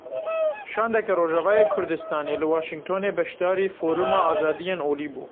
Şandeke Rojavayê Kurdistanê li Washingtonê beşdarî foruma azadiyên olî bû.